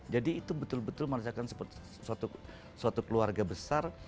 jadi itu betul betul merasakan suatu keluarga besar